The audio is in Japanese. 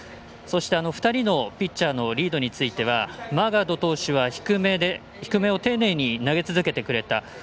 そして、２人のピッチャーのリードについてはマーガード投手は低めを丁寧に投げ続けてくれた。